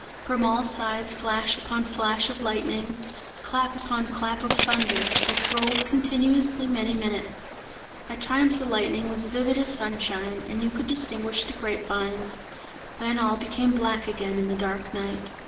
From all sides flash upon flash of lightning, clap upon clap of thunder, which rolled continuously many minutes. At times the lightning was vivid as sunshine, and you could distinguish the grape vines; then all became black again in the dark night.